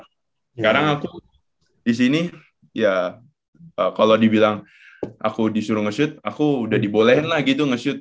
sekarang aku di sini ya kalau dibilang aku disuruh nge shoot aku udah dibolehin lah gitu nge shoot